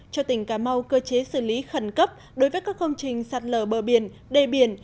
cho tỉnh cà mau cơ chế xử lý khẩn cấp đối với các công trình sạt lở bờ biển đê biển